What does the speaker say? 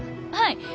はい。